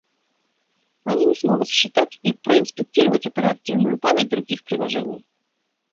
Они не смогут считать и проинспектировать оперативную память других приложений